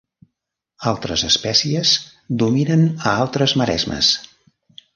Altres espècies dominen a altres maresmes.